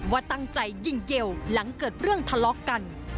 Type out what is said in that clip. ว่าตั้งใจยิงเกลหลังเกิดเรื่องทะเลาะกัน